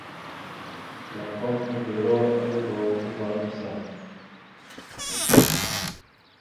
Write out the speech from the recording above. Klakom udoróalgo uvah maɓəsa.